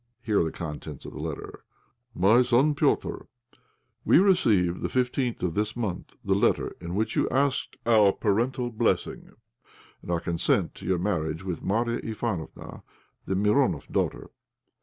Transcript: Here are the contents of this letter: "My Son Petr', "We received the 15th of this month the letter in which you ask our parental blessing and our consent to your marriage with Marya Ivánofna, the Mironoff daughter.